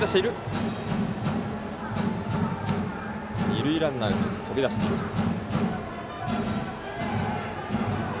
二塁ランナーがちょっと飛び出していました。